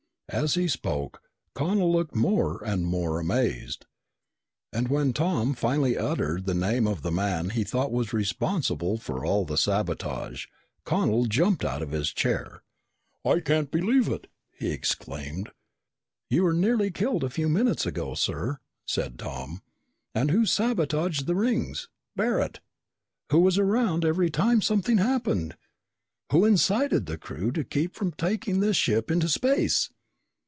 As he spoke, Connel looked more and more amazed, and when Tom finally uttered the name of the man he thought was responsible for all the sabotage, Connel jumped out of his chair. "I can't believe it!" he exclaimed. "You were nearly killed a few minutes ago, sir," said Tom. "And who sabotaged the rings? Barret! Who was around every time something happened? Who incited the crew to keep from taking this ship into space?